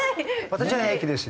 私は平気ですよ。